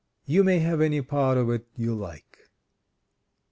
You may have any part of it you like."